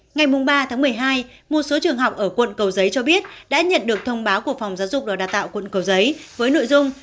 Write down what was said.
ngày ba một mươi hai một số trường học ở quận cầu giấy cho biết đã nhận được thông báo của phòng giáo dục đào tạo quận cầu giấy với nội dung